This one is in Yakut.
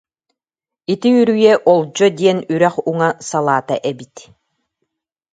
Ити үрүйэ Олдьо диэн үрэх уҥа салаата эбит